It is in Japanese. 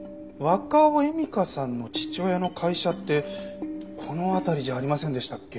若尾恵美香さんの父親の会社ってこの辺りじゃありませんでしたっけ？